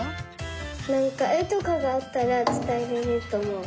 なんかえとかがあったらつたえられるとおもう。